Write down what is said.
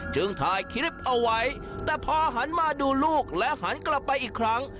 ถ่ายคลิปเอาไว้แต่พอหันมาดูลูกและหันกลับไปอีกครั้ง